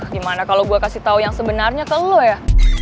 gimana kalau gue kasih tau yang sebenarnya ke lu ya